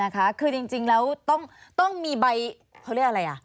คือจริงแล้วต้องมีใบเขาเรียกอะไร